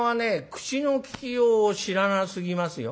口のききようを知らなすぎますよ。